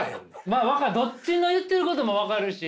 まあどっちの言ってることも分かるし。